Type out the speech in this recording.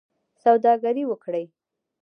سوداګري وکړئ